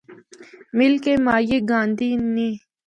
مل کے ماہیے گاندیاں نے۔